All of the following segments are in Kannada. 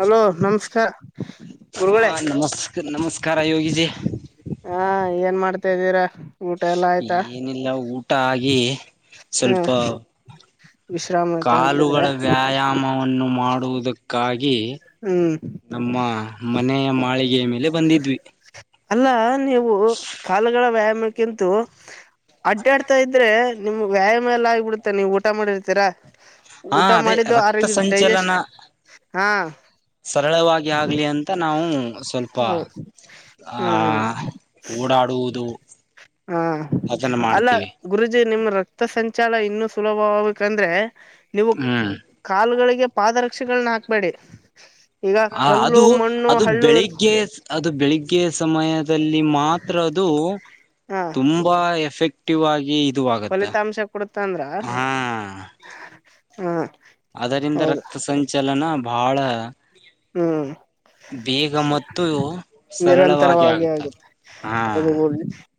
ಹಲೋ ನಮಸ್ಕಾರ ಗುರುಗಳೇ ಕಾರರ ಯೊಗಿಸ [unintelligible] ಹಾ ಏನ್ ಮಾಡ್ತಾದ್ದೀರಾ ಏನಿಲ್ಲ ಊಟ ಆಗಿ ಹ ಸ್ವಲ್ಪ ವಿಶ್ರಾಮ ಆಯ್ತಾ ಅಂತಿದ್ರ ಕಾಲುಗಳ ವ್ಯಾಯಾಮವನ್ನು ಮಾಡುವುದಕ್ಕಾಗಿ ಹ್ಮ್ ನಮ್ಮ ಮನೆಯ ಮಾಳಿಗೆ ಗೆ ಮೇಲೆ ಬಂದಿದ್ವಿ ಅಲ್ಲಾ ನೀವು ಕಾಲುಗಳ ವ್ಯಾಯಾಮಕ್ಕಿಂತೂ ಅಡ್ಡಾಡ್ತಾ ಇದ್ರೆ ನಿಮ್ಗೆ ವ್ಯಾಯಾಮ ಎಲ್ಲ ಆಗ್ಬಿಡುತ್ತಾ ನೀವು ಊಟ ಮಾಡಿರ್ತೀರಾ ಹಾ ಊಟ ಅದೇ ಮಾಡಿದ್ದು ರಕ್ತ ಆರೋಗ ಡೈಜೆಸ್ ಸಂಚಲನ ಹಾ ಸರಳವಾಗಿ ಆಗ್ಲಿ ಅಂತ ನಾವು ಸ್ವಲ್ಪ ಹೌದು ಆ ಹ್ಮ್ ಹ್ಮ್ ಓಡಾಡುವುದು ಹಾ ಅದನ್ನ ಅಲ್ಲ ಮಾಡ್ತೀವಿ ಗುರುಜಿ ನಿಮ್ ರಕ್ತ ಸಂಚಾರ ಇನ್ನು ಸುಲಭವಬೇಕಂದ್ರೆ ನೀವು ಹ್ಮ್ ಕಾಲ್ಗಳಿಗೆ ಪಾದರಕ್ಷೆಗಳನ್ನ ಹಾಕ್ಬೇಡಿ ಈಗ ಕಲ್ಲು ಮಣ್ಣು ಹಳ್ಳು ಇರ್ ಬೆಳಗ್ಗೆ ಅದು ಬೆಳಿಗ್ಗೆ ಸಮಯದಲ್ಲಿ ಮಾತ್ರ ಅದು ಹ ತುಂಬಾ ಎಫೆಕ್ಟಿವ್ ಆಗಿ ಗತ್ತ ಫಲಿತಾಂಶ ಕೊಡುತ್ತ ಅಂದ್ರ ಹಾ ಹಾ ಅದರಿಂದ ಹೌದು ರಕ್ತ ಸಂಚಲನ ಬಹಳ ಹ್ಮ್ ಬೇಗ ಮತ್ತು ಸರಳವಾಗಿ ನಿರಂತರವಾಗಿ ಆಗುತ್ತದೆ ಆಗುತ್ತೆ ಹಾ ಹದುಡ್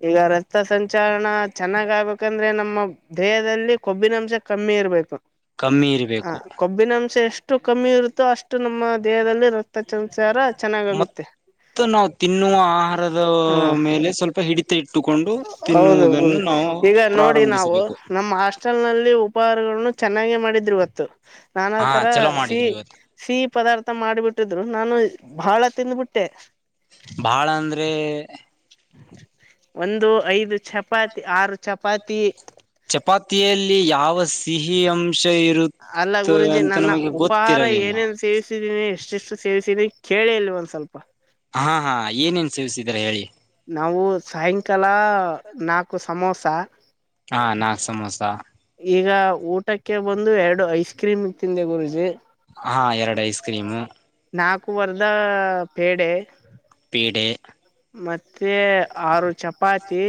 ಈಗ ರಕ್ತ ಸಂಚಾರನ ಚೆನ್ನಾಗ್ ಆಗ್ಬೇಕಂದ್ರೆ ನಮ್ಮ ದೇಹದಲ್ಲಿ ಕೊಬ್ಬಿನಂಶ ಕಮ್ಮಿ ಇರ್ಬೇಕು ಕಮ್ಮಿ ಹ ಇರಬೇಕು ಕೊಬ್ಬಿನ ಅಂಶ ಎಷ್ಟು ಅಷ್ಟು ಕಮ್ಮಿ ಇರುತ್ತೋ ಅಷ್ಟು ನಮ್ಮ ದೇಹದಲ್ಲಿ ರಕ್ತ ಸಂಚಾರ ಚೆನ್ನಾಗಾಗುತ್ತೆ ಇ ನಾವು ತಿನ್ನುವ ಆಹಾರದ ಹಾ ಮೇಲೆ ಸ್ವಲ್ಪ ಹಿಡಿತ ಇಟ್ಟುಕೊಂಡು ಹೌದು ತಿನ್ನುವುದನ್ನು ಹೌದು ನಾವು ಈಗ ನೋಡಿ ನಾವು ಪ್ರಾರಂಭಿಸಬೇಕು ನಮ್ಮ ಹಾಸ್ಟೆಲ್ ನಲ್ಲಿ ಉಪಹಾರಗಳನ್ನು ಚೆನ್ನಾಗೆ ಮಾಡಿದ್ರು ಇತ್ತು ನಾನ ಹಾ ತರ ಚಲೋ ಸಿಹ ಮಾಡಿದ್ರು ಇವತ್ತು ಸಿಹಿ ಪದಾರ್ಥ ಟ್ಟಿದ್ರು ನಾನ್ ವೆಜ್ ಬಹಳ ತಿಂದ್ಬಿಟ್ಟೆ. ಬಹಳ ಅಂದ್ರೆ. ಒಂದು ಐದು ಚಪಾತಿ ಆರು ಚಪಾತಿ. ಚಪಾತಿಯಲ್ಲಿ ಯಾವ ಸಿಹಿ ಅಂಶ ಇರುತ್ ಅಲ್ಲ ಗುರುಜಿ ನನ್ನ ಉಪಾಹಾರ ಏನೇನು ಸೇವಿಸಿದೀನಿ ಎಷ್ಟೆಷ್ಟು ಸೇವಿಸ್ ತೀನಿ ಕೇಳಿ ಇಲ್ಲಿ ಒಂದ್ ಸ್ವಲ್ಪ. ಹಾ ಹಾ ಏನೇನ್ ಸೇವಿಸಿದ್ದೀರ ಹೇಳಿ. ನಾವು ಸಾಯಂಕಾಲ ನಾಕು ಸಮೋಸ. ಹಾ ನಾಕ್ ಸಮೋಸ ಈಗ ಊಟಕ್ಕೆ ಬಂದು ಎರಡು ಐಸ್ ಕ್ರೀಮ್ ತಿಂದೆ ಗುರುಜಿ ಹಾ ಎರಡು ಐಸ್ ಕ್ರೀಮು ನಾಕುವರ್ದ ಪೇಡೆ ಪೇಡೆ ಮತ್ತೆ ಆರು ಚಪಾತಿ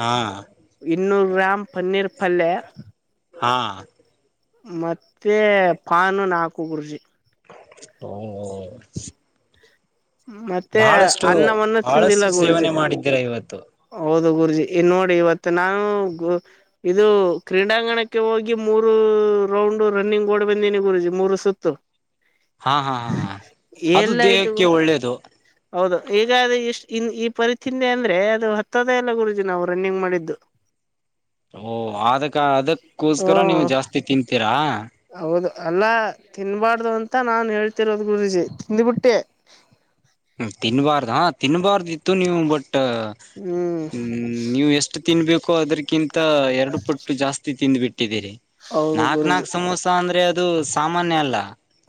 ಹಾಂ. ಇನ್ನೂರು ಗ್ರಾಮ್ ಪನ್ನೀರ್ ಪಲ್ಯೆ. ಹಾ. ಮತ್ತೆ ಪಾನು ನಾಲ್ಕು ಗುರೂಜಿ. [unintelligible] ಮತ್ತೆ ಬಹಳಷ್ಟು ಅನ್ನವನ್ನು ತಿಂದಿಲ್ಲ ಬಹಳಷ್ಟು ಗುರುಜಿ. ಸೇವನೆ ಮಾಡಿದ್ದೀರ ಇವತ್ತು ಹೌದು ಗುರುಜಿ ಇನ್ನು ನೋಡಿ ಇವತ್ತು ನಾವು ಇದು ಕ್ರೀಡಾಂಗಣಕ್ಕೆ ಹೋಗಿ ಮೂರು ರೌಂಡ್ ರನ್ನಿಂಗ್ ಓಡ್ ಬಂದೀನಿ ಗುರುಜಿ ಮೂರು ಸುತ್ತು. ಹಾ ಹಾ ಹಾ ಹಾ ಅದು ಎಲ್ಲ ಆಯ್ತು ದೇಹಕ್ಕೆ ಒಳ್ಳೇದು. ಹೌದು ಈಗ ಅದೆ ಇಷ್ಟ್ ಇನ್ ಈ ಪರಿ ತಿಂದೆ ಅಂದ್ರೆ ಇದು ಹತ್ತದೇ ಇಲ್ಲ ಗುರುಜಿ ನಾವು ರನ್ನಿಂಗ್ ಮಾಡಿದ್ದು. ಓಹ್ ಆದಕ ಓ ಅದಕ್ಕೋಸ್ಕರ ನೀವು ಜಾಸ್ತಿ ತಿಂತೀರಾ. ಹೌದು. ಅಲ್ಲಾ ತಿನ್ಬಾರ್ದು ಅಂತ ನಾನ್ ಹೇಳ್ತಿರೋದ್ ಗುರುಜಿ ತಿಂದ್ಬಿಟ್ಟೆ. ಹ್ಮ್ ತಿನ್ಬಾರ್ದ ತಿನ್ಬಾರ್ದ್ ಇತ್ತು ನೀವು ಬಟ್ ಟ್ಟ ಹ್ಮ್ ನೀವು ಎಷ್ಟು ತಿನ್ಬೇಕು ಅದ್ರಕ್ಕಿಂತ ಎರಡು ಪಟ್ಟು ಜಾಸ್ತಿ ಟ್ಟಿದ್ದೀರಿ ಹೌದು ನಾಕ್ ಗುರುಜಿ ನಾಕ್ ಸಮೋಸ ಅಂದ್ರೆ ಅದು ಸಾಮಾನ್ಯ ಅಲ್ಲ.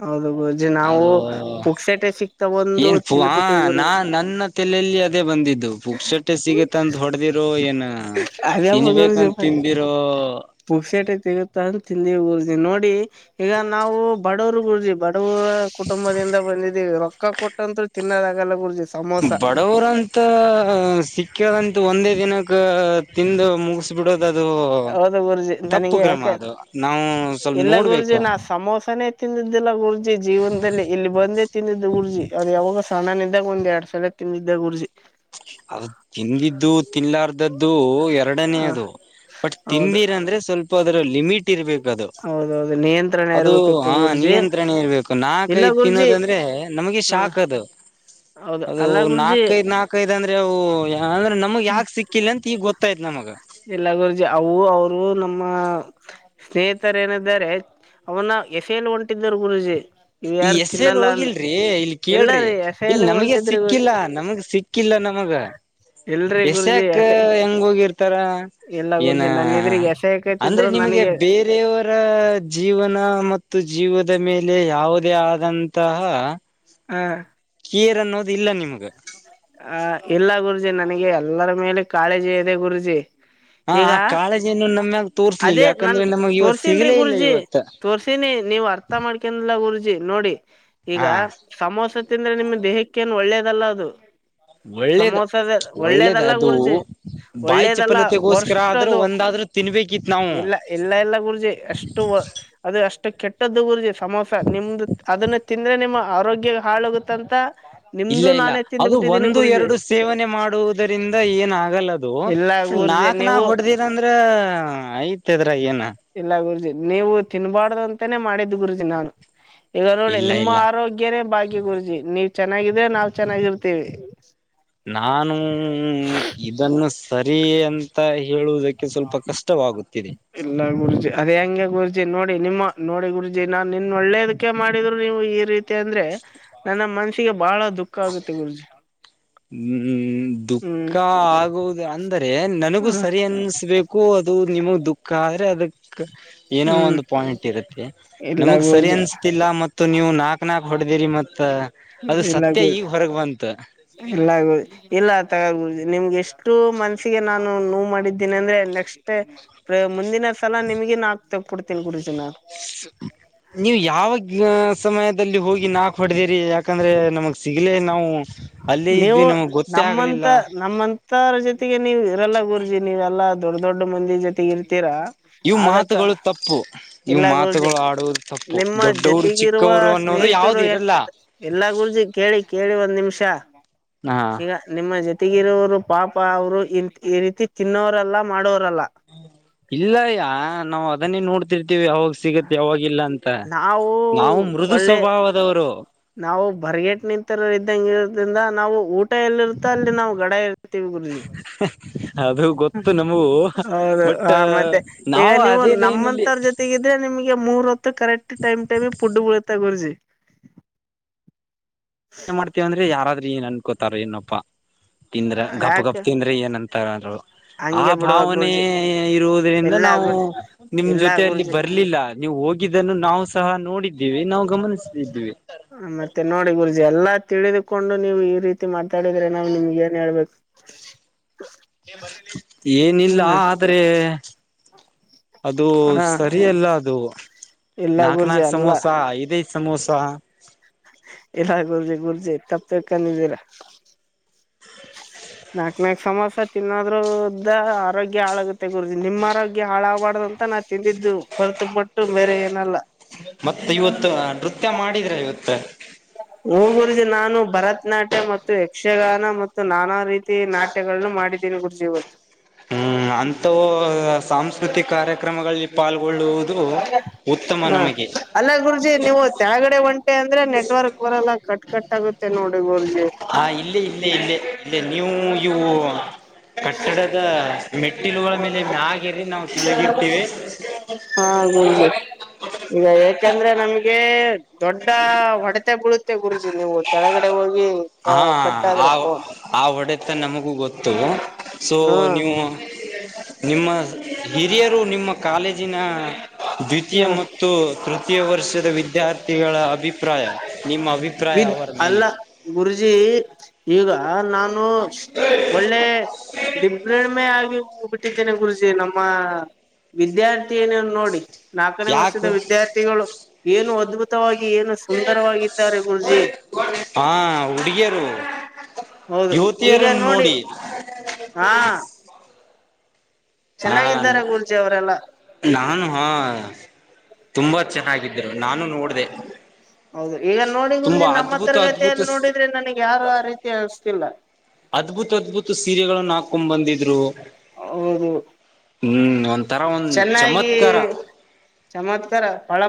ಹೌದು ಗುರೂಜಿ ನಾವು ಅದು ಪುಕ್ಸಟ್ಟೆ ಸಿಕ್ತಾ ಒಂದು ತಿಂದ್ಬಿಟ್ಟಿವಿ [unintelligible] ನಾ ಗುರುಜಿ ನನ್ನ ತಲೆಯಲ್ಲಿ ಅದೇ ಬಂದಿದ್ದು ಪುಕ್ಸಟ್ಟೆ ಸಿಗುತ್ತಂತ ಹೊಡ್ದಿರೋ ಏನ. ಹಾ ತಿನ್ಬೇಕಂತ ತಿಂದಿರೋ ಪುಕ್ಸಟ್ಟೆ ತಿಗುತ್ತ ಅಂತ ತಿಂದಿವಿ ಗುರೂಜಿ ನೋಡಿ ಈಗ ನಾವು ಬಡವ್ರು ಗುರೂಜಿ. [unintelligible] ಕುಟುಂಬದಿಂದ ಬಂದಿದ್ದೀವಿ ರೊಕ್ಕ ಕೊಟ್ಟಂತ್ರು ತಿನ್ನದಾಗಲ್ಲ ಗುರೂಜಿ. ಬಡವರಂತ ಸಿಕ್ಯಾದಂತ ಒಂದೇ ದಿನಕ್ ಕ್ಕ ತಿಂದು ಮುಗಿಸ್ಬಿಡೋದ್ ಅದು ಹೌದು ಗುರುಜಿ ತಪ್ಪು ನನಗೆ ಕ್ರಮ ಯಾಕೆ ಅದು ನಾವು ಸ್ವಲ್ಪ ಇಲ್ಲ ಗುರುಜಿ ನೋಡ್ಬೇಕು. ನಾ ಸಮೋಸನೇ ತಿಂದಿದ್ದಿಲ್ಲ ಗುರುಜಿ ಜೀವನದಲ್ಲಿ ಇಲ್ಲಿ ಬಂದೇ ತಿಂದಿದ್ದು ಗುರುಜಿ ಅದ್ ಯಾವಾಗೊ ಸಣ್ಣನಿದ್ ದ್ದಾಗ ಒಂದ್ ಎರಡ್ ಸಲ ತಿಂದಿದ್ದೆ ಗುರೂಜಿ. ಅದು ತಿಂದಿದ್ದು ತಿನ್ಲಾರ್ದದ್ದು ಹ ಎರಡನೇಯದು. ಬಟ್ ಹೌದು ತಿಂದಿರಂದ್ರೆ ಸ್ವಲ್ಪ ಅದ್ರ ಲಿಮಿಟ್ ಇರ್ಬೇಕು ಅದು ಹೌದೌದು ನಿಯಂತ್ರಣ ಅದು ಇರ್ಬೇಕಿತ್ತು ಹಾ ಗುರುಜಿ ನಿಯಂತ್ರಣ ಇರ್ಬೇಕು ಇಲ್ಲ ನಾಕೈದು ಗುರುಜಿ ತಿನ್ನೋದಂದ್ರೆ ನಮಗೆ ಹ್ಮ ಶಾಕ್ ಅದು. ಹೌದು ಅದು ಅಲ್ಲ ಗುರುಜಿ ನಾಲ್ಕೈದ್ ನಾಲ್ಕೈದ್ ಅಂದ್ರೆ ಅವು ಅಂದ್ರೆ ನಮಗ್ ಯಾಕ್ ಸಿಕ್ಕಿಲ್ಲ ಅಂತ ಈಗ ಗೊತ್ತಾಯ್ತ್ ನಮಗ. ಇಲ್ಲ ಗುರೂಜಿ ಅವು ಅವರು ನಮ್ಮ ಸ್ನೇಹಿತರೇನಿದ್ದಾರೆ ಅವನ್ನ ಎಸೆಯಲು ಹೊಂಟಿದ್ದರು ಗುರುಜಿ. ಇವ್ ಈ ಯಾರು ಎಸೆಯಲು ತಿನ್ನಲ್ಲ ಅಂದ ಹೋಗಿಲ್ರಿ ಇಲ್ ಇಲ್ಲ ಕೇಳ್ರಿ ರೀ ಇಲ್ ಎಸೆಯಲು ನಮಗೆ ಹೊಂಟಿದ್ರಿ ಗುರು ಸಿಕ್ಕಿಲ್ಲಾ ನಮಗ್ ಸಿಕ್ಕಿಲ್ಲ ನಮ್ ಗ ಇಲ್ರಿ ಗುರುಜಿ ಎಸೆಯಾಕ್ ಎಸೆ ಹೆಂಗ್ ಹೋಗಿರ್ತ್ ತರ ಇಲ್ಲ ಏನ ಗುರುಜಿ ನನ್ನ ಇದ್ರಿಗೆ ಅಂದ್ರೆ ಎಸೆಯಕತಿದ್ರು ನಿಮಗೆ ನನಗೆ ಬೇರೆಯವರ ಜೀವನ ಮತ್ತು ಜೀವ ಮೇಲೆ ಯಾವುದೇ ಆದಂತಹ ಹ ಕೀರನ್ನು ಇಲ್ಲ ನಿಮ್ಗ ಆ ಇಲ್ಲ ಗುರುಜಿ ನನಗೆ ಎಲ್ಲರ ಮೇಲೆ ಕಾಳಜಿ ಇದೆ ಗುರುಜಿ ಹ ಈಗ ಆ ಕಾಳಜಿಯನ್ನು ನಮ್ಯಾಗ ತೋರ್ಸ್ಲಿಲ್ಲ ಅದೇ ನನ್ ಯಾಕಂದ್ರೆ ನಮಗ್ ಇವತ್ ತೋರ್ಸನ್ ಸಿಗ್ಲೇ ಇಲ್ಲ ಗುರುಜಿ ಇವತ್ತ. ತೋರ್ಸನ್ ನೀವು ಅರ್ಥ ಮಾಡ್ಕೊಂಡ ಗ ಜಿ ನೋಡಿ ಈಗ ಹಾ ಸಮೋಸ ತಿಂದ್ರೆ ನಿಮ ದೇಹಕ್ಕ ಏನು ಒಳ್ಳೇದಲ್ಲ ಅದು ಒಳ್ಳೇದ ಸಮೋಸದ ಒಳ್ಳೇದ ಒಳ್ಳೇದಲ್ಲ ಅದು ಗುರ್ಜಿ ಬಾಯಿ ಒಳ್ಳೇದಲ್ಲ ಚಪಲತೆಗೋಸ್ಕರ ಆದ್ರೂ ವರ್ಷ್ಟದು ಒಂದಾದ್ರೂ ತಿನ್ಬೇಕಿತ್ ನಾವು ಇಲ್ಲ ಎಲ್ಲ ಎಲ್ಲ ಗುರ್ಜಿ ಎಷ್ಟು ಅದು ಅಷ್ಟು ಕೆಟ್ಟ ಪಟ್ಟದ್ದು ಗುರ್ಜಿ ಸಮೋಸ ನಿಮ್ದು ಅದನ್ನ ತಿಂದ್ರೆ ನಿಮ್ಮ ಆರೋಗ್ಯ ಹಾಳೋಗುತ್ತಂತ ಇಲ್ಲ ನಿಮ್ದು ಇಲ್ಲ ನಾನ ಎತ್ತಿಂದ್ ಅದು ಬಿಟ್ಟು ಒಂದು ಎರಡು ಸೇವನೆ ಮಾಡುವುದರಿಂದ ಏನಾಗಲ್ಲ ಹೌದು ಇಲ್ಲ ಗುರುಜಿ ನಾಕ್ ನಾ ನೀವು ಹೊಡ್ದಿರ ಅಂದ್ರ ಐತದ್ರ ಏನ ಇಲ್ಲ ಗುರ್ಜಿ ನೀವು ತಿನ್ಬಾರ್ದಂತ ನೆ ಮಾಡಿದ್ದು ಗುರುಜಿ ನಾನು ಈಗ ನೋಡ ಇಲ್ಲ ನಿಮ್ಮ ಇಲ್ಲ ಆರೋಗ್ಯನೇ ಬಾಗಿ ಗುರುಜಿ ನೀ ಚೆನ್ನಾಗಿದ್ರ ನಾ ಚೆನ್ನಾಗಿರ್ತೇವಿ ನಾನು ಇದನ್ನು ಸರಿ ಅಂತ ಹೇಳುವುದಕ್ಕೆ ಸ್ವಲ್ಪ ಕಷ್ಟವಾಗುತ್ತಿದೆ ಅದ ಹೆಂಗೆ ಗುರುಜಿ ನೋಡಿ ನಿಮ್ಮ ನೋಡಿ ಗುರುಜಿ ನಾನ್ ನಿನ್ ಒಳ್ಳೇದಕ್ಕೆ ಮಾಡಿದ್ರು ನೀವು ಈ ರೀತಿ ಅಂದ್ರೆ ನನ್ನ ಮನಸಿಗೆ ಬಹಳ ದುಃಖ ಆಗುತ್ತೆ ಗುರುಜಿ ಹ್ಮ್ ದುಃಖ ಹ್ಮ್ ಆಗುವುದು ಅಂದ್ರ ನನಗೂ ಹ್ಮ ಸರಿ ಅನ್ಸ್ಬೇಕು ಅದು ನಿಮಗ್ ದುಃಖ ಆದ್ರೆ ಅದಕ್ ಏನೋ ಹ್ಮ್ ಒಂದು ಪಾಯಿಂಟ್ ಇರುತ್ತೆ ಇಲ್ಲ ನಮಗ್ ಸರಿ ಗುರುಜಿ ಅನ್ಸ್ತಿಲ್ಲ ಮತ್ತು ನೀವು ನಾಕ್ ನಾಕ್ ಹೊಡದಿರಿ ಮತ್ತ ಅದು ಸತ್ಯ ಈಗ್ ಹೊರಗ್ ಬಂತ ಎಲ್ಲ ಆಗುದು ಎಲ್ಲ ತಗಬ ನಿಮ್ಗೆ ಎಷ್ಟು ಮನ್ಸಿಗೆ ನಾನು ನೋ ಮಾಡಿದ್ದೀನಿ ಅಂದ್ರೆ ನೆಕ್ಸ್ಟ್ ಮುಂದಿನ ಸಲ ನಿಮಗಿ ನಾಕ್ ತಗಬಿಡ್ತೀನ ಗುರುಜಿನ ನೀವು ಯಾವಾಗ ಸಮಯದಲ್ಲಿ ಹೋಗಿ ನಾಕ ಹೊಡದಿರಿ ಯಾ ಯಾಕಂದ್ರೆ ನಮಗ್ ಸಿಗಲೆ ನಾವು ಅಲ್ಲಿ ನೀವು ನಮ್ಮಂತ ನಮ್ಮಂತರ ಜೊತೆಗೆ ನೀವು ಇರೆಲ್ಲ ಗುರ್ಜಿ ನೀವೆಲ್ಲ ದೊಡ್ಡ ದೊಡ್ ಮಂದಿ ಜೊತೆ ಇರ್ತೀರಾ ಇವು ಆದಕ್ಕ ಮಾತುಗಳು ತಪ್ಪು ಇವು ಇಲ್ಲ ಗೂಜೆ ಮಾತುಗಳು ಆಡುವುದು ತಪ್ಪು ನಿಮ್ಮ ದೊಡ್ಡವರು ಜೊತೆಗಿರುವ ಚಿಕ್ಕವರು ಅನ್ನೋದು ಸ್ನೇಹಿತರು ಯಾವ್ದು ಹೆಂಗ ಇರಲ್ಲ ಎಲ್ಲಾ ಗುರುಜಿ ಕೇಳಿ ಕೇಳಿ ಒಂದ್ ನಿಮಿಷ ಹಾ ಈಗ ನಿಮ್ಮ ಜೊತೆ ತೆಗಿರೋರು ಪಾಪ ಅವರು ಇ ಈ ರೀತಿ ತಿನ್ನವರೆಲ್ಲಾ ಮಾಡೋರು ಇಲ್ಲಯ್ಯ ನಾವ್ ಅದನ್ನೇ ನೋಡ್ತಿರ್ತಿವಿ ಅವಾವಾಗ ಸಿಗತ್ ಯಾವಾಗಲ್ಲ ಅಂತ ನಾವು ಮ ನಾವು ಮೃದು ಒಳ್ಳೆ ಸ್ವಭಾವದವರು ನಾವು ಬರ್ಗಟ್ ನಿಂತರ ಇದ್ದಂಗ ಇರೋದ್ರಿಂದ ನಾವು ಊಟ ಎಲ್ಲಿರುತ್ತೋ ಅಲ್ಲಿ ನಾವು ಗಡ ಇರ್ತೀವಿ ಗುರುಜಿ ಅದು ಗೊತ್ತು ನಮಗೂ ಹೌದು ಬಟ್ ಹ ಮತ್ತೆ ಈಗ ನಾವು ನೀವು ಅದೇ ಲೈನ್ ಅಲ್ಲಿ ನಮ್ಮಂತರ ಜೊತೆಗಿದ್ರೆ ನಿಮ್ ಮೂ ರತ ಕರೆಕ್ಟ್ ಪುಡುಬಳ ಎತ ಮಾಡ್ತೇವಂದ್ರೆ ಯಾರಾದ್ರರು ಏನ್ ಅನ್ಕೋತಾರ ಇನ್ನಪ್ಪ ತಿಂದ್ರ ಗಪ್ ಗಪ್ ಯಾಕೆ ತಿಂದ್ರೆ ಏನಂತ ಅಂದ್ರು ಆ ಹಂಗೆ ಬಿಡ್ಬೇಕ್ ಭಾವನೆ ಗುರ್ಜಿ ಇರುವುದ್ರಿಂದ ಎಲ್ಲಾ ನಾವು ಗುರ್ಜಿ ನಿಮ್ ಎಲ್ಲಾ ಜೊತ ಅಯಲ್ಲಿ ಗುರ್ಜಿ ಬರ್ಲಿಲ್ಲ ನೀವು ಹೋಗಿ ಇದನ್ನು ನಾವು ಸಹ ನೋಡಿದ್ದೀವಿ ನಾವು ಗಮನಿಸದ್ದೀವಿ ಹ ಮತ್ತೆ ನೋಡಿ ಗುರುಜಿ ಎಲ್ಲಾ ತಿಳಿದುಕೊಂಡು ನೀವು ಈ ರೀತಿ ತ ಹೇಳಿದ್ರೆ ನಾ್ ನಿಮ್ಗೆ ಏನ್ ಹೇಳ್ಬೇಕು ಏನಿಲ್ಲ ಹ್ಮ ಆದ್ರೆ ಅದು ಹ ಸರಿಯಲ್ಲ ಅದು ಇಲ್ಲ ನಾಕ್ ಗುರ್ಜಿ ನಾಕ್ ಅಲ್ಲ ಸಮೋಸ ಐದೇ ಸಮೋಸಾ ಎಲ್ಲ ಗುರ್ಜಿ ಗುರ್ಜಿ ತಪ್ಪಕ್ಕನಿದ್ದೀರ ನಾಕ್ ನಾಕ್ ಸಮಸರ ತಿನ್ನೋದ್ರಿಂದ ಆರೋಗ್ಯ ಹಾಳಾಗುತ್ತೆ ಗುರುಜ ನಿಮ್ಮ್ ಆರೋಗ್ಯ ಹಾಳಾಗಬಾರ್ದ ತಾನ ತಿಂದಿದ್ದು ವರ್ತೂಪಟ್ಟು ಬೇರೆ ಏನಲ್ಲ ಮತ್ತ ಇವತ್ತು ನೃತ್ಯ [unintelligible] ಹು ಗುರುಜಿ ನಾನು ಭರತನಾಟ್ಯ ಮತ್ತು ಯಕ್ಷಗಾನ ಮತ್ತು ನಾನಾ ರೀತಿ ತಿ ನಾಟ್ಯಗಳನು ಮಾಡಿದ್ದೀನಿ ಗುರುಜೀ ಇವತ್ ಹ್ಮ್ ಅಂತವ್ ಸಾಂಸ್ಕೃತಿಕ ಕಾರ್ಯಕ್ರಮಗಳಲ್ಲಿ ಪಾಲ್ಗೊಳ್ಳುವುದು ದು ಉತ್ತಮ ಹ ನಮಗೆ ಅಲ್ಲ ಗುರುಜಿ ನೀವು ತಳಗಡೆ ಒಂಟೆ ಅಂದ್ರೆ ನೆಟ್ವರ್ಕ್ ಬರಲ್ಲ ಕಟ್ ಕಟ್ ಆಗುತ್ತೆ ನೋಡಿ ಗುರುಜಿ ಹಾ ಇಲ್ಲೇ ಇಲ್ಲೇ ಇಲ್ಲೇ ಇಲ್ಲೇ ನೀವು ಇವು ಕಟ್ಟಡದ ಮೆಟ್ಟಿಲುಗಳ ಮೇಲೆ ಮ್ಯಾಗೇರಿ ನಾವು ತಿಳಗಿರ್ತೀವಿ ಹಾ ಗುರೂಜಿ ಈಗ ಯಾಕಂದ್ರೆ ನಮ್ಗೆ ದೊಡ್ಡ ಹೊಡೆತೆ ಬಳತ್ ಗುರೂಜಿ ನೀವು ಕೆಳಗಡೆ ಹೋಗಿ ಹಾ ಆ ಕಟ್ಟಾದ್ರೆ ಫೋನ್ ಆ ಹೊಡೆತ ನಮಗೂ ಗೊತ್ತು ಸೊ ಹಾ ನೀವು ನಿಮ್ಮ ಹಿರಿಯರು ನಿಮ್ಮ ಕಾಲೇಜಿನ ದ್ವಿತೀಯ ಹ್ಮ ಮತ್ತು ತೃತೀಯ ವರ್ಷದ ವಿದ್ಯಾರ್ಥಿಗಳ ಅಭಿಪ್ರಾಯ ನಿಮ್ಮ ಅಭಿಪ್ರಾಯ ಬಿದ್ ಅವರ ಅಲ್ಲ ಮೇಲೆ ಗುರುಜಿ ಈಗ ಹ ನಾನು ಒಳ್ಳೆ ದಿಬ್ಬ್ರಿಣ್ಮೆ ಆಗಿ ಹೋಗಿ ನೆ ಗುರುಜಿ ನಮ್ಮ ವಿದ್ಯಾರ್ಥಿನೀ ಅವ್ರ್ನ ನೋಡಿ ನಾಲ್ಕನೇ ಯಾಕ ವರ್ಷದ ವಿದ್ಯಾರ್ಥಿಗಳು ಏನು ಅದ್ಭುತವಾಗಿ ಏನು ಸುಂದರವಾಗಿದ್ದಾರೆ ಗುರುಜಿ ಹಾ ಉಡುಗಿಯರು ಹೌದು ಈಗ ನೋಡಿ ಹಾ ಹಾ ಚೆನ್ನಾಗಿದ್ದಾರೆ ಗುರುಜಿ ಅವರೆಲ್ಲಾ ನಾನು ಹಾ ತುಂಬಾ ಚೆನ್ನಾಗಿದ್ದ ನೋಡಿದೆ ಹೌದು ಈಗ ನೋಡಿ ಗುರೂಜಿ ನಮ್ಮ ಅದ್ಭುತ ತರಗತಿಯಲ್ಲಿ ನೋಡಿದ್ರೆ ನನಗ್ ಯಾರು ಆ ರೀತಿ ಅನಿಸ್ತಿಲ್ಲ ಅದ್ಭುತ ಅದ್ಭುತ ಸೀರೆಗಳನ್ನು ಹಾಕೊಂಡ್ ಬಂದಿದ್ರು ಹೌದು ಹ್ಮ್ ಒಂಥರ ಒಂದ್ ಚೆನ್ನಾಗಿ ಚಮತ್ಕಾರ ಚಮತ್ಕಾರ ಪಳ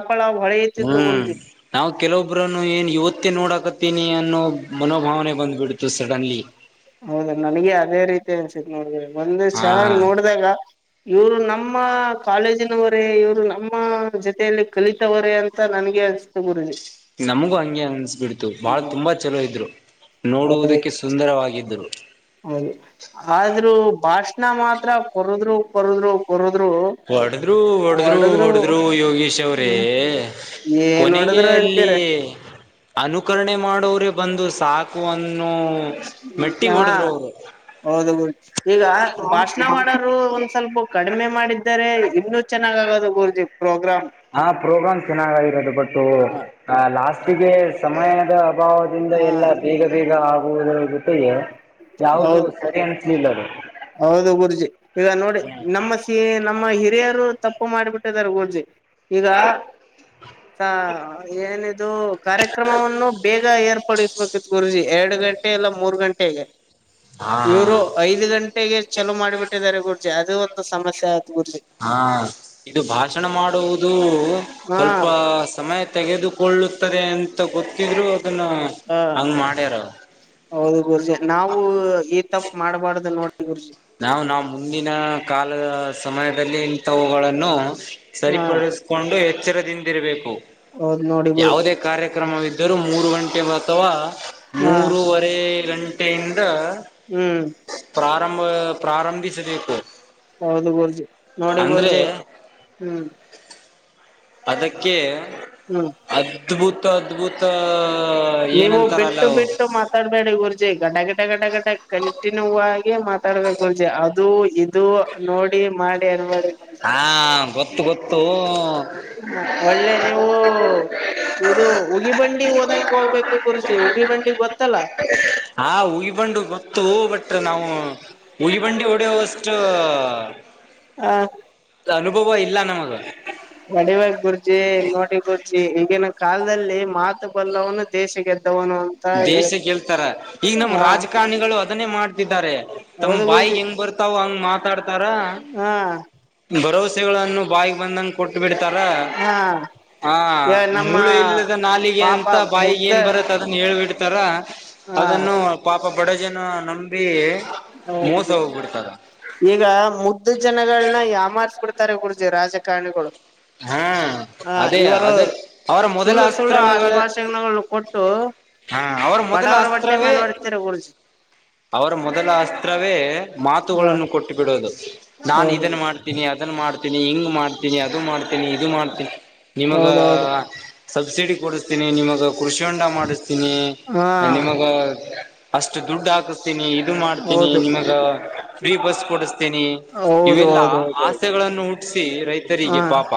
ಹ್ಮ್ ನಾವ್ ಕೆಲವೊಬ್ರನು ಏನ್ ಇವತ್ತು ನೋಡಾಕತ್ತೀನಿ ಅನ್ನೋ ಮನೋಭಾವನೆ ಬಂದ್ಬಿಡ್ತು ಸಡನ್ ಆಗಿ ಹೌದ ನನಗೆ ಅದೇ ರೀತಿ ಅನ್ಸ್ತು ನೋಡಿ ಒಂದು ಹಾ ಕ್ಷಣ ನೋಡಿದಾಗ ಇವ್ರು ನಮ್ಮ ಕಾಲೇಜಿನ ವರೇ ಇವರು ನಮ್ಮ ಜೊತೆಯಲ್ಲಿ ಕಲಿತವರೇ ಅಂತ ನನ್ಗೆ ಅನ್ಸ್ತು ಗುರುಜಿ ನಮಗೂ ಹಂಗೆ ಅನ್ಸ್ಬಿಡ್ತು ಬಹಳ ತುಂಬಾ ಚಲೋ ಇದ್ರು ಹೌದು ನೋಡುವುದಕ್ಕೆ ಸುಂದರವಾಗಿದ್ದರು ಹೌದು ಆದ್ರೂ ಭಾಷೆ ಮಾತ್ರ ಕೊರದ್ರು ಕೊರದ್ರು ಕೊರುದ್ರು ಹೊಡದ್ರು ಹೊಡದ್ರು ಹೊಡದ್ರು ಯೋಗೀಶ್ ಅವ್ರೇ ಏನ್ ಕೊನೆಗೆ ಹೊಡದ್ರು ಅಲ್ಲಿ ಅಂತೀರಿ. ಅನುಕರಣೆ ಮಾಡೋರೆ ಬಂದು ಸಾಕು ಅನ್ನೋ ಮೆಟ್ಟಿಗೆ ಹಾ ಹೊಡೆದ್ರು ಅವರು ಹೌದು ಈಗ ಭಾಷಣ ಮಾಡೋರು ಒಂದ್ ಸ್ವಲ್ಪ ಕಡಿಮೆ ಮಾಡಿದ್ದ ರೆ ಇನ್ನುೂ ಚೆನ್ನಾಗ ಆಗೋದು ಗುರುಜಿ ಪ್ರೋಗ್ರಾಮ್ ಹ ಪ್ರೋಗ್ರಾಮ್ ಚೆನ್ನಾಗಾಗಿರೋದು ಬಟ್ಟೂ ಆ ಲಾಸ್ಟ್ಗೆ ಸಮಯದ ಅಭಾವದಿಂದ ಹಾ ಎಲ್ಲ ಬೇಗ ಬೇಗ ಆಗುವುದರ ಜೊತೆಗೆ ಯಾವುದುೂ ಹೌದು ಸರಿ ಅನ್ನಿಸಲಿಲ್ಲ ಅದು ಹೌದು ಗುರುಜಿ ಈಗ ನೋಡಿ ನಮ್ಮ ಸಿ ನಮ್ಮ ಹಿರಿಯರು ತಪ್ಪು ಮಾಡಿಬಿಟ್ಟು [unintelligible] ಈಗ ಹ ಏನಿದು ಕಾರ್ಯಕ್ರಮವನ್ನು ಬೇಗ ಏರ್ ಸಬೇಕಿತ್ತು ಗುರುಜಿ ಎರಡು ಗಂಟೆ ಇಲ್ಲ ಮೂರು ಗಂಟೆಗೆ ಹಾ ಇವರು ಐದು ಗಂಟೆ ಗೆ ಚಲೋ ಮಾಡಿಬಿಟ್ಟಿದ್ದಾರೆ ಗುರ್ಜಿ ಅದು ಒಂದು ಸಮಸ್ಯೆ ಗುರ್ಜಿ ಹಾ ಇದು ಭಾಷಣ ಮಾಡುವುದು ಹಾ ಸ್ವಲ್ಪ ಸಮಯ ತೆಗೆದುಕೊಳ್ಳುತ್ತದೆ ಅಂತ ಗೊತ್ತಿದ್ರು ಅದನ್ನ ಹ ಹಂಗ ಮಾಡ್ಯಾರ ಹೌದು ಗುರ್ಜಿ ನಾವು ಈ ತಪ್ಪ ಮಾಡ್ಬಾರ್ದ ನೋಡಿ ಗುರ್ಜಿ ನಾವು ನಾವು ಮುಂದಿನ ಕಾಲ ಸಮಯದಲ್ಲಿ ಇಂಥವುಗಳನ್ನು ಹಾ ಸರಿಪಡಿಸಕೊಂಡು ಎಚ್ಚರದಿಂದಿರಬೇಕು ಹೌದು [unintelligible] ಯಾವುದೇ ಕಾರ್ಯಕ್ರಮವಿದ್ದರೂ ಮೂರು ಗಂಟೆ ಅಥವಾ ಹಾ ಮೂರವರೆ ಗಂಟೆ ಬಟ್ಟೆಯಿಂದ ಹ್ಮ್ ಪ್ರಾರಂಭಿಸಬೇಕು ಹೌದು ಗುರ್ಜಿ ನೋಡಿ ಅಂದ್ರೆ ಗುರ್ಜೆ ಹ್ಮ್ ಅದಕ್ಕೆ ಹ್ಮ್ ಅದ್ಭುತ ಅದ್ಭುತ ನೀವು ಬಿಟ್ಟು ಏನಂತಾರಲ್ಲವು ಬಿಟ್ಟು ಮಾತಾಡ್ಬೇಡಿ ಗುರ್ಜಿ ಗಡ ಗಡ ಗಡ ಗಡ ಕಂಟಿನ್ಯೂ ಆಗಿ ಮಾತಾಡ್ಬೇಕ ಗುರೂಜಿ ಇದು ಇದು ನೋಡಿ ಮಾಡಿ ಅನುಬೇದರೆ ಹಾ ಗೊತ್ತು ಗೊತ್ತು ಹ್ಮ ಒಳ್ಳೆ ನೀವು ಇದು ಉಗಿಬಂಡಿ ಓದಂಗ ಹೋಗ್ಬೇಕು ಗುರುಜಿ ಉಗಿಬಂಡಿ ಗೊತ್ತಲ್ಲ ಹ ಉಗಿಬಂಡಿ ಗೊತ್ತು ಬಟ್ ನಾ ಉಗಿಬಂಡಿ ಓಡ್ತಾ ಅಷ್ಟು ಹ ಅನುಭವ ಇಲ್ಲ ನಮಗ ಹೊಡಿಬೇಕ್ ಗುರ್ಜಿ ನೋಡಿ ಗುರ್ಜಿ ಈಗಿನ ಕಾಲದಲ್ಲಿ ಮಾತು ಬಲ್ಲವನ್ನು ದೇಶದ್ದ [unintelligible] ದೇಶ ಗೆಲು ತರ ಈಗ ನಮ್ಮ ಹಾ ರಾಜಕಾರಣಿಗಳು ಮಾಡ್ತಿದ್ದಾರೆ ತಮ್ಮ್ ಹೌದು ಬಾಯಿಗೆ ಗುರ್ಜಿ ಹೆಂಗ್ ಬರ್ತಾವ ಹಂಗ್ ಮಾತಾಡ್ತ ರ ಹಾ ಭರಸೆಗಳನ್ನು ಬಾಯಿಗೆ ಬಂದಂಗ ಕೊಟ್ಟ ಬಿಟ್ಟ ಬಿಡ್ತಾರ ಹಾ [unintelligible] ಹಾ ನಮ್ಮ ಮೂಳೆ ಇಲ್ಲದ ನಾಲಿಗೆ ಪಾಪ ಅಂತ ಬಾಯಿಗೆ ಮುಗ್ದ ಏನ್ ಬರತ್ತ ಅದ ಹೇಳ್ಬಿಡ್ತಾರ ಹಾ ಅದನ್ನು ಪಾಪ ಬಡಜನ ನಂಬಿ ಹೌದು ಮೋಸ ಗುರುಜಿ ಹೋಗ್ಬಿಡ್ತಾರ ಈಗ ಮುದ್ದು ಜನಗಳನ್ನ ಯಮ ಮಾಡ್ಸ ಕೊಡ್ತಾರೆ ಕುಡ್ ರಾಜಕಾರಣಿಗಳು ಹಾ ಹ ಅದೇ ಇವರು ಅದ ಅವರ ಮೊದಲ ಸುಳ್ಳು ಸುಳ್ಳು ಆ ಅಸ್ತ್ರಗಳ ಶ್ವಾಸಗಳು ಕೊಟ್ಟು ಹ ಅವರ ಮೊದಲ ಬಡವರ ಬಟ್ಟೆ ಅಸ್ತ್ರವೇ ಮೇಲೆ ಒಡ್ತರ ಗುರುಜಿ ಅವರ ಮೊದಲ ಅಸ್ತ್ರವೇ ಹ ಮಾತುಗಳನ್ನು ಕೊಟ್ಟು ಬಿಡೋದು ನಾನು ಹೌದು ಇದನ್ನು ಮಾಡ್ತೀನಿ ಅದನ್ನು ಮಾಡ ಹಿಂಗ್ ಮಾಡ್ತೀನಿ ಅದು ಮಾಡ್ತೀನಿ ಇದು ಮಾಡ್ತೀನಿ ನಿಮಗ ಹೌದೌದು ಸಬ್ಸಿಡಿ ಕೊಡ ನಿಮಗ ಕೃಷಿಡ ಮಾಡಿಸ್ತೀನಿ ಹಾ ನಿಮಗ ಅಷ್ಟು ದುಡ್ ಹಾತೀನಿ ಇದು ಮಾಡ್ತೇನಿ ಹೌದು ನಿಮಗ ಫ್ರೀ ಬಸ್ ಕೊಡಸ್ತೇನಿ ಹೌದು ಇವೆಲ್ಲಾ ಹೌದು ಹೌದು ಹೌದು ಆಸೆಗಳನ್ನು ಹೂ ಹಾ ರೈತರಿಗೆ ಪಾಪ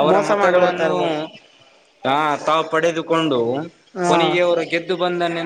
ಅವರ ಮೋಸ ಮಾಡಿಬಿಡ್ತಾ ಮತಗಳನ್ನು ಇರ್ಬೋದು ಹಾ ತಾವು ಪಡೆದುಕೊಂಡು ಹಾ ಕೊನೆಗೆ ಅವರು ಗೆದ್ದು ಬಂದನೆೆ